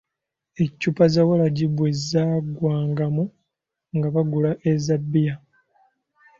Eccupa za waragi bwe zaggwangamu nga bagula eza bbiya.